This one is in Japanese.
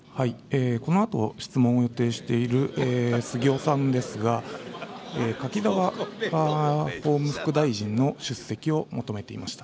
このあと質問を予定している杉尾さんですが、柿沢法務副大臣の出席を求めていました。